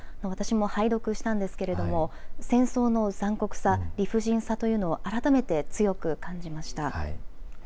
私も拝読したんですけれども、戦争の残酷さ、理不尽さというのを改めて強く感じました。